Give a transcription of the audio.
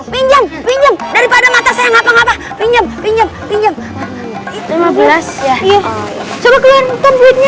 pinjam pinjam daripada mata saya ngapa ngapa pinjam pinjam lima belas ya iya coba kelihatan buitnya